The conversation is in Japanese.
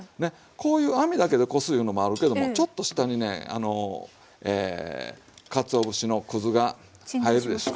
こういう網だけでこすいうのもあるけどもちょっと下にねあのかつお節のくずが入るでしょ。